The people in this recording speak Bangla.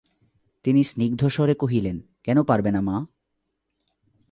তিনি স্নিগ্ধস্বরে কহিলেন, কেন পারবে না মা?